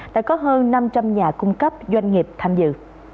đã có hơn năm trăm linh nhà cung cấp doanh nghiệp tham dự